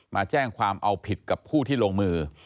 มาแจ้งความเอาผิดกับผู้ที่ลงมือ